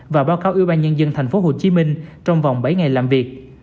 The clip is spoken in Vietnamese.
và báo cáo ubnd tp hcm trong vòng bảy ngày làm việc